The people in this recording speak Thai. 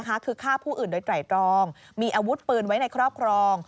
คือฆ่าผู้อื่นโดยไตรตรองมีอาวุธปืนไว้ในครอบครอง